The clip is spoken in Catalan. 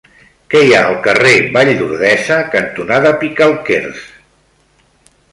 Què hi ha al carrer Vall d'Ordesa cantonada Picalquers?